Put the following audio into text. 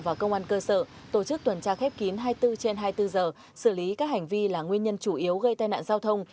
và công an cơ sở tổ chức tuần tra khép kín hai mươi bốn trên hai mươi bốn giờ xử lý các hành vi là nguyên nhân chủ yếu gây tai nạn giao thông